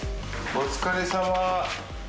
お疲れさま。